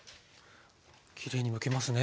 きれいにむけますね。